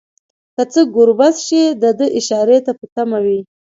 که څه ګړبړ شي دده اشارې ته په تمه وي.